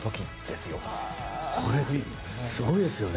すごいですよね。